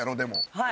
はい。